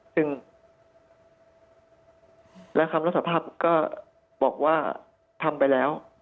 ซึ่งและคำรับสารภาพก็บอกว่าทำไปแล้ว